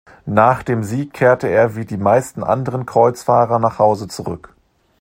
Nach dem Sieg kehrte er wie die meisten anderen Kreuzfahrer nach Hause zurück.